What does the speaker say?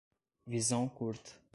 Visão curta